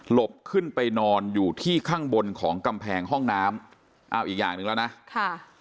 บขึ้นไปนอนอยู่ที่ข้างบนของกำแพงห้องน้ำอ้าวอีกอย่างหนึ่งแล้วนะค่ะ